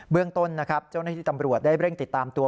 เรื่องต้นนะครับเจ้าหน้าที่ตำรวจได้เร่งติดตามตัว